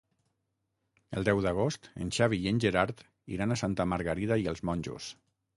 El deu d'agost en Xavi i en Gerard iran a Santa Margarida i els Monjos.